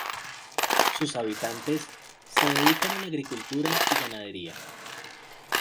Sus habitantes se dedican a la agricultura y ganadería.